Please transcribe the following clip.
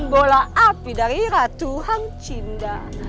bola api dari ratu hang cinda